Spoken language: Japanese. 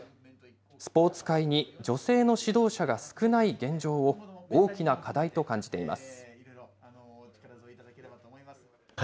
スポーツ界に女性の指導者が少ない現状を大きな課題と感じています。